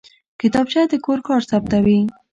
کتابچه د کور کار ثبتوي